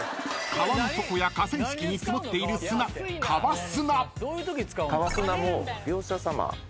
［川の底や河川敷に積もっている砂川砂］